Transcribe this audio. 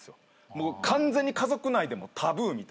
完全に家族内でもタブーみたいな。